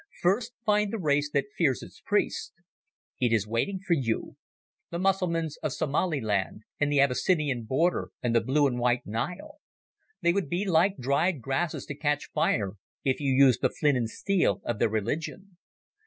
First find the race that fears its priests. It is waiting for you—the Mussulmans of Somaliland and the Abyssinian border and the Blue and White Nile. They would be like dried grasses to catch fire if you used the flint and steel of their religion.